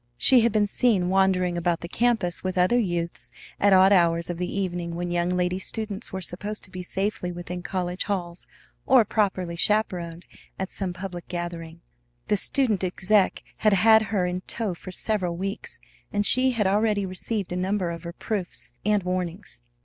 She had been seen wandering about the campus with other youths at odd hours of the evening when young lady students were supposed to be safely within college halls or properly chaperoned at some public gathering. The "student exec" had had her in tow for several weeks, and she had already received a number of reproofs and warnings.